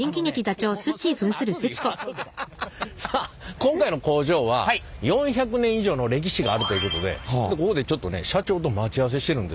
さあ今回の工場は４００年以上の歴史があるということでここでちょっとね社長と待ち合わせしてるんですよ。